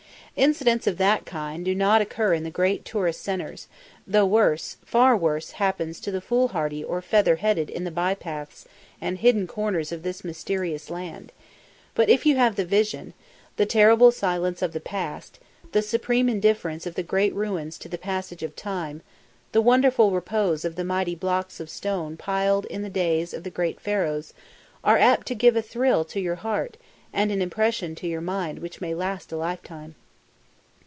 Incidents of that kind do not occur in the great tourist centres though worse, far worse happens to the foolhardy or featherheaded in the by paths and hidden corners of this mysterious land but if you have the vision, the terrible silence of the Past, the supreme indifference of the great ruins to the passage of Time, the wonderful repose of the mighty blocks of stone piled in the days of the great Pharaohs, are apt to give a thrill to your heart and an impression to your mind which may last a lifetime.